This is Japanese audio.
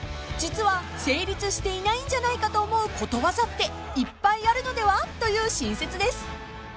［実は成立していないんじゃないかと思うことわざっていっぱいあるのでは？という新説です］